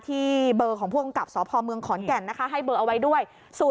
ที่เบอร์ของผู้กำกับสพเมืองขอนแก่นนะคะให้เบอร์เอาไว้ด้วย